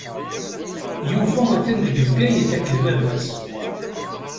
Yuba atan deg Bgayet akked baba-s.